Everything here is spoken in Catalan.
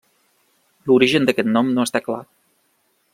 L'origen d'aquest nom no està clar.